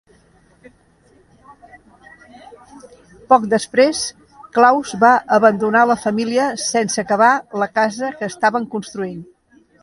Poc després, Claus va abandonar la família sense acabar la casa que estaven construint.